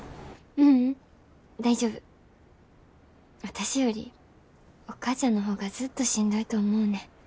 私よりお母ちゃんの方がずっとしんどいと思うねん。